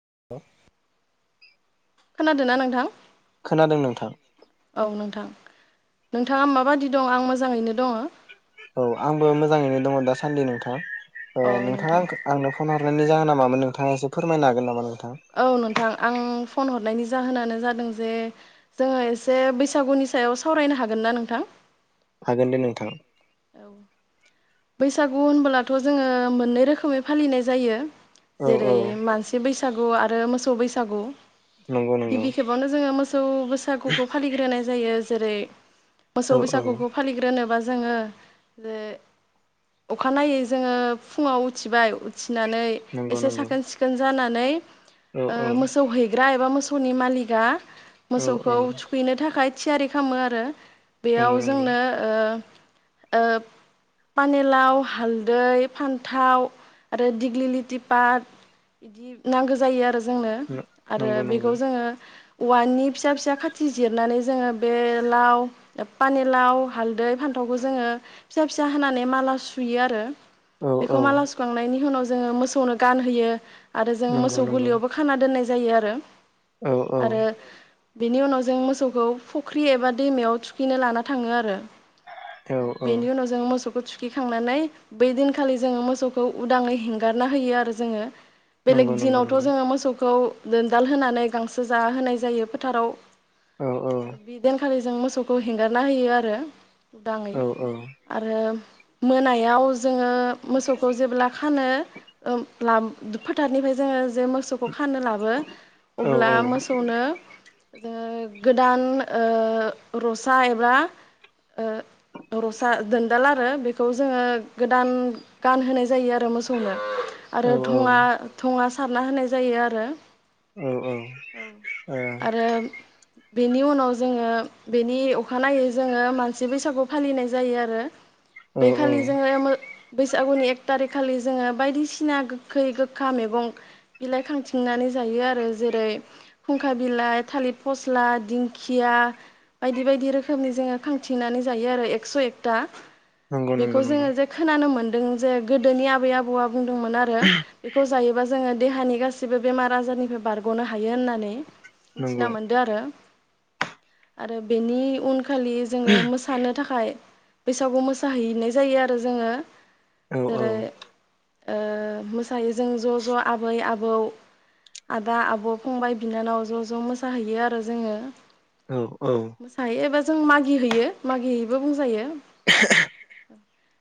[inaudible] खोनादोंना नोंथां? खोनादों नोंथां। औ नोंथां नोंथाङा माबायदि दं आं मोजाङैनो दोङ। औ आंबो मोजाङैनो दङ दासान्दि नोंथां। ओ औ नोंथाङा नोंथां आंखो आंनो फन हरनायनि जाहोना मामोन नोंथाङा एसे फोरमनो हागोन नामा नों औ नोंथां आं फन हरनायनि जाहोनानो जादों जे जोङो एसे बैसागुनि सायाव सावरायनो हागोन ना नोंथां? हागोन दे नोंथां। औ। बैसागु होनबोलाथ जोङो मोननै रोखोमै फालिनाय जायो। औ जेरै औ मानसि बैस सागु आरो मोसौ बैसागु। नंगौ नंगौ गिबि खेबावनो जोङो मोसौ खौ बैसागुखौ फालिग्रोनाय जायो जेरै। मोसौ औ औ बैसागुखौ फालिग्रोनोबा जोङो बे। अखानायै जोङो फुङाव उथिबाय उथि नानै नंगौ एसे नंगौ साखोन सिखोन जाना नै। औ ओ औ मोसौ हैग्रा ए मोसौनि मालिगा औ औ मोसौखौ थुखैनो थाखाय थियारि खामो आरो नंगौ बेयाव नंगौ नंगौ जोंनो ओ ओब पानिलाव, हालदै, फान्थाव आरो दिग्लिलिथि पात इदि नांगौ जायो आरो जोंनो आरो नंगौ बेखौ जोङो औवानि फिसा फिसा खाथि जिरनानै जोङो बे लाव, पानिलाव, हालदै, फान्थावखौ जोङो फिसा फिसा खानानै माला सुयो आरो औ औ बेखौ माला सुखांनायनि हुनाव जोङो मोसौनो गानहोयो। आरो जों नंगौ मोसौ नंगौ गुलियावबो खाना दोन्नाय जायो आरो औ औ आरो बेनि उनाव जों मोसौखौ फुख्रि एबा दैमायाव थुखैनो लाना थाङो आरो औ बेनि उनाव जोङो मोस मोसौखौ थुखिखांनानै बै दिनखालि जोङो मोसौखौ उदाङै हेंगारना होयो आरो जोङो। बेलेग नंगौ नंगौ दिनावथ' नंगौ जोङो मोसौखौ दोनदाल होनानै गांसो जा होनाय जायो फोथाराव औ औ आरो बिदिनखालि जों मोसौखौ हेंगारना होयो आरो उदाङै औ आरो मोनायाव जोङो मोसौखौ जेब्ला फानो ओम लाम फोथारनिफ्राय जोङो जे मोसौखौ खानो लाबो औ अब्ला मोसौनो जो गोदान ओ रसा एबा ओ रसा दोनदाला [unintelligible] बेखौ जोङो गोदान गानहोनाय जायो आरो मोसौनो। आरो औ दुंङा दुंङा स सारना होनाय जायो आरो औ ओ औ आरो बेनि उनाव जोङो बेनि अखानायै जोङो मानसि बैसागु फालिनाय जायो आरो। औ औ बैखालि जोङो मो बैसागुनि एक थारिखखालि जोङो बायदिसिना गोखै गोखा मैगं बिलाइ खांथिंनानै जायो आरो जेरै फुंखा बिलाइ, थालिर फस्ला, दिंखिया बायदि बायदि रोखोमनि जोङो खांथिंनानै जायो आरो एकस' एकथा। नंगौ नंगौ बेखौ नंगौ जोङो जे खोनानो मोन दों जे गोदोनि आबै आबौआ बुंदोंमोन आरो बेखौ जायोबा जोङो देहानि गासिबो बेमार आजारनिफ्राय बारग'नो हायो होननानै नंगौ मिथिना मोनदो आरो आरो बेनि उन खालि जोङो मोसानो थाखाय बैसागु मोसा जाहैैनाय जायो आरो जोङो। औ जेरै औ ओ मोसायो जों ज' ज' आबै आबौ आदा आब' फंबाय बिनानाव ज' ज' मोसाहैयो आरो जोङो। औ औ मोसाहैयो एबा जों मागि हैयो मागि हैैयो बुंजायो [inaudible]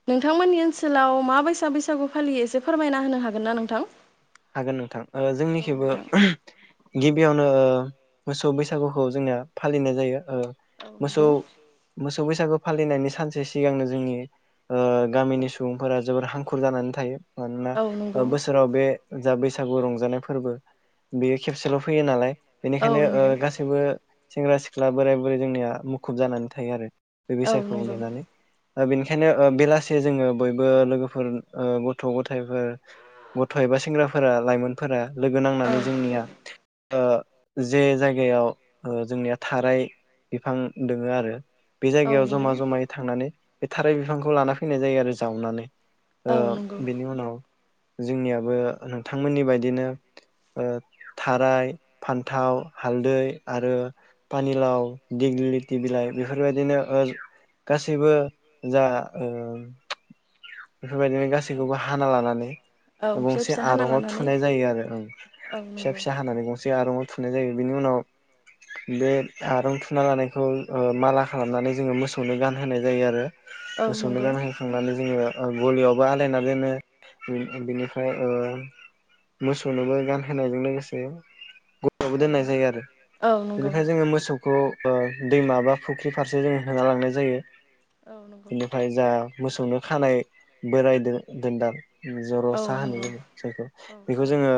नोंथांमोननि ओनसोलाव मा बायसा बैसागु फालियो एसे फोरमायना होनो हागोन ना नोंथां? हागोन नोंथां ओ औ जोंनिखैबो नोंथां ओहोम गिबियावनो मोसौ बैसागुखौ जोंना फालिनाय जायो औ नंगौ। सौ बैसागु फालिनायनि सानसे सिगांनो जोंनि ओ गामिनि सुबुंफोरा जोबोर हांखुर जानानै थायो मानोना औ नंगौ ओ बोसोराव बे जा बैसागु रंजानाय फोरबो बेयो खेबसेल' फैयो नालाय औ बेनिखायनो ओ नंगौ गासैबो सेंग्रा सिख्ला बोराय बुरै जोंनिया मुखुब जानानै थायो आरो बे औ बैसागोखौ नंगौ नेनानै ओ औ बेनिखायनो ओ बेलास से जोङो बयबो लोगोफोर ओ गथ' गथायफोर गथाय बा सिख सेंग्राफोरा लाइमोनफोरा लोगो नांनानै औ जोंनिया ओ जे जायगायाव ओ जोंनिया थाराय बिफां दोङो आरो बे जायगायाव जमा नंगौ जमायै थांनानै बे थाराय बिफांखौ लाना फैनाय जायो आरो जावनानै। ओ औ नंगौ बेनि उनाव जोंनियाबो नोंथांमोननि बायदिनो थाराय, फान्थाव, हालदै आरो फानिलाव, दिग्लिलिथि बिलाइ बेफोरबायदिनो ओ गासैबो जा ओ बेफोरबायदिनो औ गासैखौबो हाना लानानै औ फिसा गंसे फिसा हाना आरंआव लानानै थुनाय जायो आरो ओम औ फिसा नंगौ फिसा हानानै गंसे आरंआव थुनाय जायो बेनि उनाव बे आरं थुना लानायखौ ओ माला खालामनानै जोङो मोसौनो गानहोनाय जायो आरो। औ मोसौनो नंगौ गानहोखांनानै जोङो ओ गलियावबो आलायना दोनो बि-बिनिफ्राय ओ मोसौनोबो गानहोनायजों लोगोसे गलिआवबो औ औ दोननाय नंगौ जायो आरो औ नंगौ इनिफाय जोङो मोसौ खौ ओ दैमा बा फुख्रि फारसे जों होना लांनाय जायो। औ नंगौ बिनिफाय जा मोसौनो खानाय बेरायदो दोनदाल औ जरसा होनो जों जायखौ बेखौ जोङो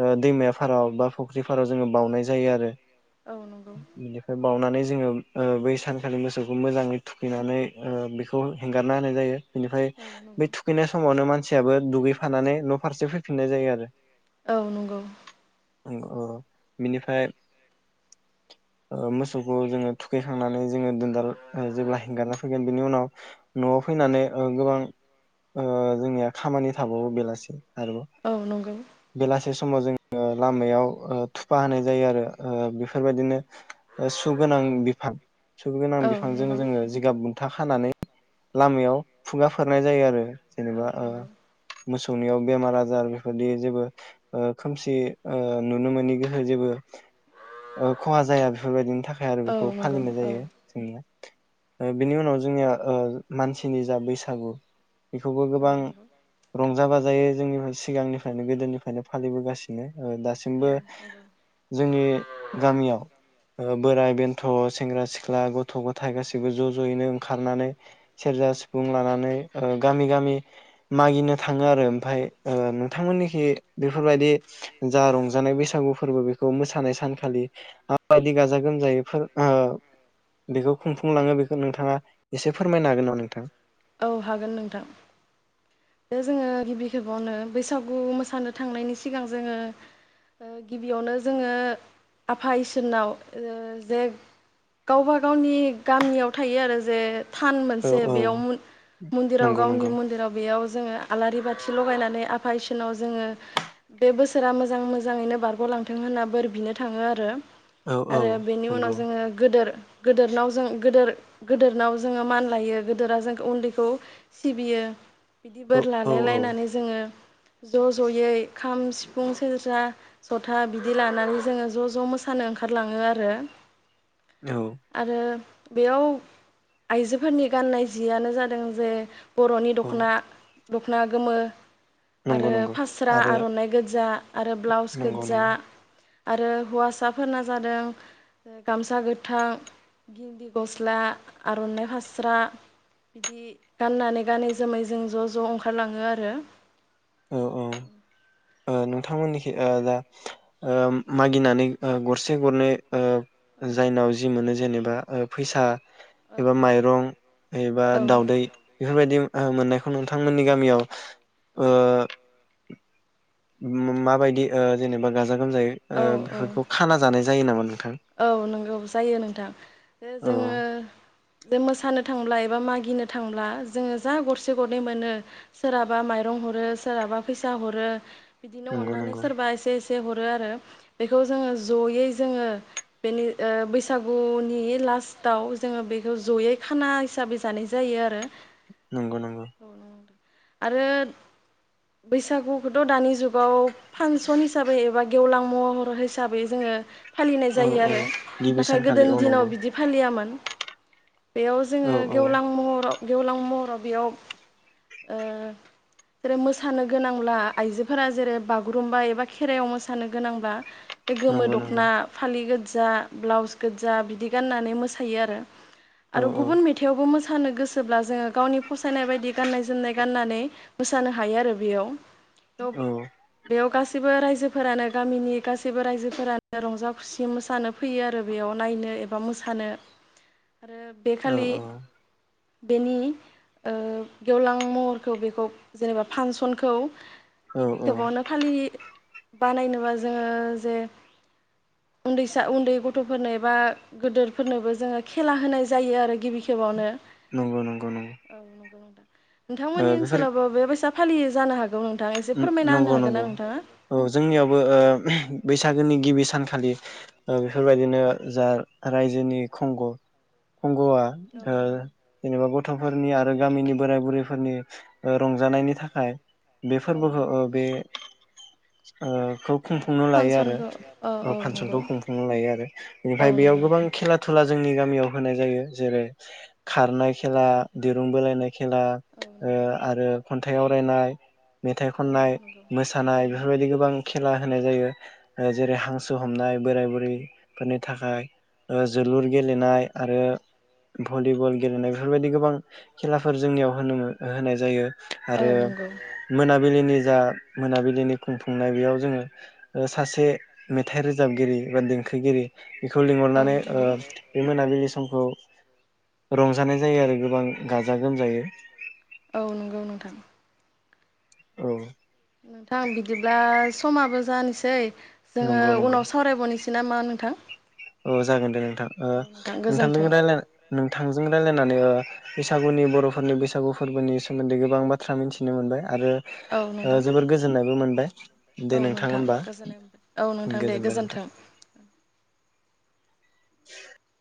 ओ दैमा फाराव बा फुख्रि फाराव जोङो बाउनाय जायो आरो। औ नंगौ औ नंगौ बिनिफ्राय बाउनानै जो जोङो ओ बै सानखालि मोसौखौ मोजाङै थुखैनानै ओ बिखौ हेंगारना होनाय जायो। बिनिफाय औ बै नंगौ थुखैनाय समावनो मानसियाबो दुगैफानानै न फारसे फैफिननाय जायो आरो। औ नंगौ ओ अ बिनिफाय ओ मोसौखौ जोङो थुखैखांनानै जोङो दोनदाल ओ जेब्ला हेंगारना फैगोन बेनि उनाव नआव फैनानै ओ गोबां ओ जोंनिया खामानि थाबावो बेलासे। आरोबाव औ नंगौ औ नंगौ बेलासे स माव जोंङो लामायाव ओ थुफा होनाय जायो आरो ओ बेफोरबादिनो सुगोनां बिफां सुगोनां औ नंगौ बिफांजों औ जोंङो जिगाब बुन था खानानै लामायाव खुगा फोरनाय जायो आरो जेनेबा ओ मोसौ [unintelligible] बेमार आजार बेफोरदि जेबो ओ खोमसि ओ नुनो मोनि गोहो जेबो ओ खहा जाया बेफोरबायदिनि थाखाय आरो बेखौ औ नंगौ फालिनाय जायो जोंनिया। ओ बिनि उनाव जोंनिया ओ मानसिनि जा बैसागु बेखौबो गोबां रंजा बाजा [unintelligible] जोंनिफाय सिगांनिफायनो गोदोनिफायनो फालिबोगासिनो ओ दासिमबो औ नंगौ जोंनि गामियाव ओ बोराइ बेन्थ सेंग्रा सिख्ला गथ गथाय गासैबो ज जयैनो ओंखारनानै सेरजा सिफुं लानानै ओ गामि गामि मागिनो थाङो आरो ओमफाय ओ नोंथांमोननिखि बेफोरबायदि जा रंजानाय बैसागु फोरबो बेखौ मोसानाय सानखालि माबायदि गाजा गोमजायै फोर ओ बेखौ खुंफुंलाङो बेखौ नोंथाङा एसे फोरमायनो हागोन ना नोंथां दा जोङो गिबि खेबावनो बैसागु मोसानो थांनायनि सिगां जोङो गिबियावनो जोङो आफा इसोरनाव जे गावबा गावनि गामियाव थायो आरो जे थान औ मोनसे औ बेयाव मन मन्दिराव नंगौ गावनि नंगौ मन्दिराव बेयाव जोङो आलारि बाथि लगायनानै आफा इसोरनाव जोङो बे बोसोरा मोजां मोजाङैनो बारग'लांथों होनना बोर बिनो थाङो आरो औ औ आरो बेनि उनाव नंगौ जोङो गोदोर गोदोरनाव जों गोदोर गोदोरनाव जोङो मान लायो गोदोरा जों उन्दैखौ सिबियो औ बोर औ लालाय औ लायनानै जोङो ज' ज'यै खाम सिफुं सेरजा जथा बिदि लानानै जोङो ज' ज' मोसानो ओंखारलाङो आरो। औ आरो बेयाव आइजोफोरनि गाननाय जियानो जादों जे बर'नि औ दख'ना दख'ना गोमो नंगौ आरो नंगौ फास्रा आरो आर'नाइ गोजजा आरो ब्लाउस नंगौ गोजजा नंगौ आरो हौवासाफोरना जादों ओ गामसा गोथां गिन्दि गस्ला आर'नाइ फास्रा बिदि गाननानै गानै जोमै जों ज' ज ओंखारलाङो आरो औ औ। ओ नोंथांमोननिखै ओ दा ओ मागिनानै ओ गरसे गरनै औ ओ जायनाव जि मोनो जेनेबा ओ फैसा औ एबा नंगौ माइरं एबा माइरं दावदै बेफोरबायदि ओ मोननायखौ नोंथांमोननि गामियाव औ ओ मामाबायदि ओ जेनेबा गाज गाजा गोमजायै ओ औ बेफोरखौ खाना जानाय जायो नामा नों औ नंगौ जायो नोंथां ओ औ जोङो जे मोसानो थांब्ला एबा मागिनो थांब्ला जोङो जा गरसे गरनै मोनो सोरहाबा माइरं हरो सोरहाबा फैसा हरो। बिदिनो नंगौ अननानै नंगौ सोरबा एसे एस हरो आरो बेखौ जोङो जयै जोङो बेनि ओ बैसागुनि लास्टाव जोङो बेखौ जयै खाना हिसाबै जानाय जायो आरो नंग नंग औ नंगौ आरो बैसागुखौथ' दानि जुगाव फांसन हिसाबै एबा गेवलां महर हिसाबै जोङो फालिनाय औ जायो औ आरो गिबि नाथाय सानखालि गोदोनि औ दिनाव नंगौ बिदि फालियामोन बेयाव जोङो औ औ गेवलां महराव गेवलां महराव बेयाव ओ रो मोसानो गोनांब्ला आइजोफोरा जेरै बागुरुम्बा एबा खेराइयाव मोसानो गोनांब्ला बे गोमो नंगौ नंगौ दख'ना। [inaudible] गोज्जा ब्लाउस गोज्जा बिदि गाननानै मोसायो आरो औ आरो औ गुबुन मेथाइआवबो मो थानो गोसोब्ला जोङो गावनि फसायनाय बायदि गाननाय जोमनाय गाननानै। मोसानो हायो आरो बेयाव औ बेयाव गासै बो रायजोफोरानो गामिनि गासैबो रायजोफोरानो रंजा खुसि मोसानो फैयो आरो बेयाव नायनो एबा मोसानो आरो औ बेखालि बेनि ओ गेवलां महरखौ बेखौ जेनेबा फांसनखौ औ गिबि औ खेबावनो फालि बानायनोबा जोङो जे उन्दैसा उन्दै गथफोरनो एबा गोदोरफोरनोबो जोङो खेला होनाय जायो आरो गिबि खेबावनो नंगौ नंगौ नंगौ औ नंगौ नोंथां ओ नोंथांमोननि ओनसोलावबा बेबायसा फालियो जानो हागौ नों नं नंगौ नंगौ औ जोंनियावबो ओ बैसागोनि गिबि सानखालि ओ बेफोरबायदिनो जा रायजोनि खंग खं गवा ओ नंगौ जेनेबा ग गथ'फोरनि आरो गामिनि बोराय बुरैफोरनि ओ रंजानायनि थाखाय बे औ फोरबोखौ ओ नंगौ बे। ओ खौ औ खुंफुंनो लायो फांसनखौ औ आरो औ नंगौ फांसनखौ खुंफुंनो लायो आरो बेनिफ्राय औ बेयाव नंगौ गोबां खेला दुला जोंनि गामि मियाव होनाय जायो जेरै खारनाय खेला दिरुं बोलायनाय खेला ओ खेला आरो खन थाइ आवरायनाय मेथाइ खननाय मोसानाय बेफोरबायदि गोबां खेला होनाय जायो। जेरै हांसो हमनाय बोराय बुरैफोरनि थाखाय ओ जोलुर गेलेनाय आरो भलिबल गेलेनाय बेफोरबायदि गोबां खेलाफोर जोंनियाव होनो होनाय जायो। औ नंगौ बिलिनिजा मोनाबिलिनि खुंफुंनायाव बेयाव जोङो ओ सासे मेथाइ रोजाबगिरि एबा देंखोगिरि बेखौ औ लिंहरनानै ओ नंगौ बे मोनाबिलि सम खौ रंजानाय जायो आरो गोबां गाजा गोमजायै। औ नंगौ नोंथां। औ। नोंथां बिदिब्ला। समाबो जानोसै जोङो नंगौ नंगौ उनाव सावरायबावनिसै। नामा नोंथां? औ जागोन दे नोंथां ओ औ नोंथां नोंथांजों गोजोन्थों रायलायना नोंथांजों रायलायना होननानै बैसागुनि बर'फोरनि बैसागु फोरबोनि सोमोन्दै गोबां बाथ्रा मिथिनो मोनबाय। आरो औ नोंथां जोबोर गोजोननायबो मोनबाय दे औ नोंथां होमबा गोजोननाय मोनबाय औ नोंथां दे गोजोनबाय नोंथां। गोजोन्थों [unintelligible]